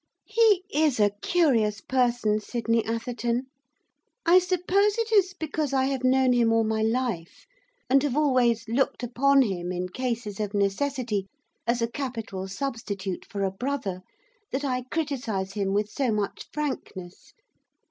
He is a curious person, Sydney Atherton. I suppose it is because I have known him all my life, and have always looked upon him, in cases of necessity, as a capital substitute for a brother, that I criticise him with so much frankness.